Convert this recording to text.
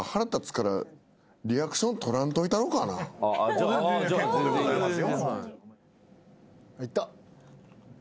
全然結構でございますよ。